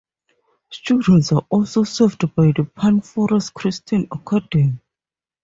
Students are also served by the Pine Forest Christian Academy.